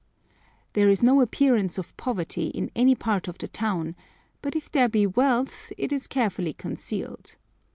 There is no appearance of poverty in any part of the town, but if there be wealth, it is carefully concealed.